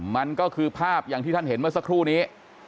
มันก็คือภาพอย่างที่ท่านเห็นเมื่อสักครู่นี้